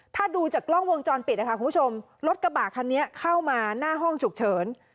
ถ้าดูจากกล้องวงจรปิดนะคะคุณผู้ชมรถกระบะคันนี้เข้ามาหน้าห้องฉุกเฉิน